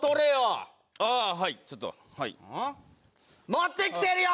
持ってきてるよ